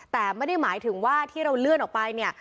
แต่ไม่ได้หมายถึงว่าที่เราเลื่อนออกไปเนี่ย